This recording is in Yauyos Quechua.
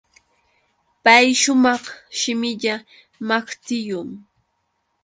Pay shumaq shimilla maqtillum.